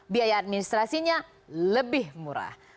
biaya administrasinya lebih murah